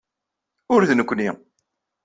Ur d nekkni.